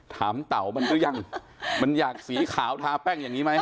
เต่ามันหรือยังมันอยากสีขาวทาแป้งอย่างนี้ไหม